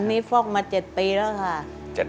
อันนี้ฟอกมา๗ปีแล้วค่ะ